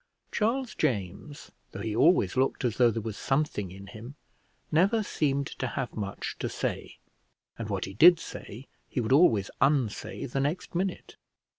Charles James, though he always looked as though there was something in him, never seemed to have much to say; and what he did say he would always unsay the next minute.